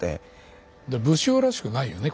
武将らしくないよね